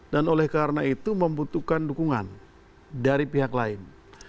dan oleh karena itu membutuhkan dukungan dari pihak lain